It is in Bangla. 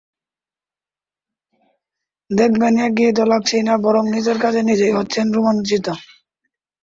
দেখবেন একঘেয়ে তো লাগছেই না, বরং নিজের কাজে নিজেই হচ্ছেন রোমাঞ্চিত।